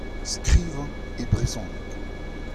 Skrivañ e brezhoneg.